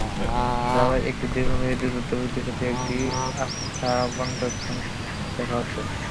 গাজায় একটি দীর্ঘমেয়াদি যুদ্ধবিরতির ক্ষেত্রে এটিকে আশাব্যঞ্জক সংকেত হিসেবে দেখা হচ্ছে।